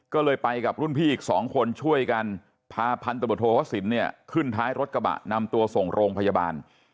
ก็เลยไปกับรุ่นพี่อีกสองคนช่วยกันพาพันธบทโทวสินเนี่ยขึ้นท้ายรถกระบะนำตัวส่งโรงพยาบาล